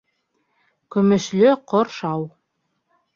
Көмөшлө ҡоршау